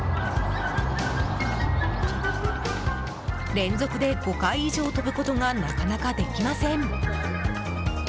連続で５回以上跳ぶことがなかなかできません。